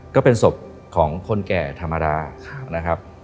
ก็เป็นศพของคนแก่ธรรมดานะครับ